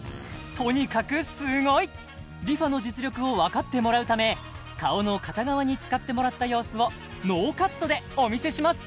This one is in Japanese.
ＲｅＦａの実力を分かってもらうため顔の片側に使ってもらった様子をノーカットでお見せします